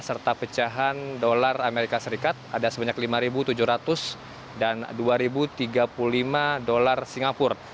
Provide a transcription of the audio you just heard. serta pecahan dolar amerika serikat ada sebanyak lima tujuh ratus dan dua tiga puluh lima dolar singapura